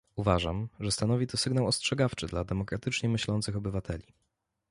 Uważam, że stanowi to sygnał ostrzegawczy dla demokratycznie myślących obywateli